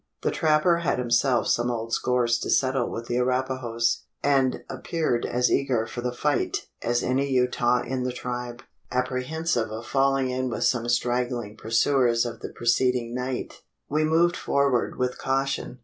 The trapper had himself some old scores to settle with the Arapahoes; and appeared as eager for the fight as any Utah in the tribe. Apprehensive of falling in with some straggling pursuers of the preceding night, we moved forward with caution.